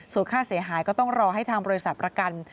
ส่วนค่าเสียหายก็ต้องรอให้ทางบริษัทประกัน